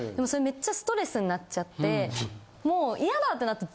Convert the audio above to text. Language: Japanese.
めっちゃストレスになっちゃってもうイヤだってなって。